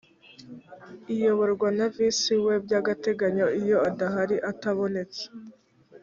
iyoborwa na visi we by’agateganyo iyo adahari atabonetse